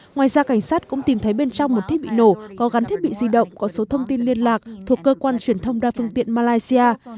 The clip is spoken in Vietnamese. ngoài ra cảnh sát cũng tìm thấy bên trong một thiết bị nổ có gắn thiết bị di động có số thông tin liên lạc thuộc cơ quan truyền thông đa phương tiện malaysia